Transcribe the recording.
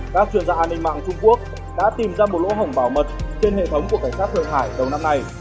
các chuyên gia an ninh mạng trung quốc đã tìm ra một lỗ hỏng bảo mật trên hệ thống của cảnh sát thượng hải đầu năm nay